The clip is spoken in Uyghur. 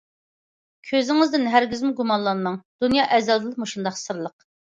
كۆزىڭىزدىن ھەرگىزمۇ گۇمانلانماڭ، دۇنيا ئەزەلدىنلا مۇشۇنداق سىرلىق.